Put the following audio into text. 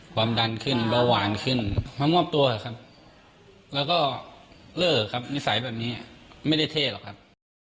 ครับตกใจครับเป็นห่วงแม่มากกว่าครับ